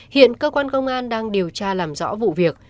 hiện cơ quan công an đang điều tra làm rõ vụ việc